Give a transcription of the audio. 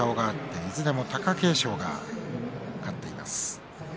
いずれも貴景勝が勝っています。